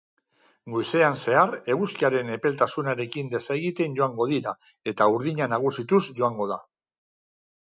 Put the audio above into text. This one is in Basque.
Goizean zehar eguzkiaren epeltasunarekin desegiten joango dira eta urdina nagusituz joango da.